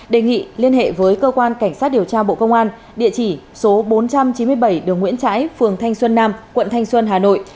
đề nghị liên hệ với cơ quan cảnh sát điều tra bộ công an địa chỉ số bốn trăm chín mươi bảy đường nguyễn trãi phường thanh xuân nam quận thanh xuân hà nội